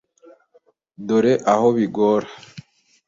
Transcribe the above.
Dore aho bigora.